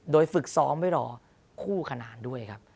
โดยฝึกซ้อมไว้รอคู่ขนานด้วยครับ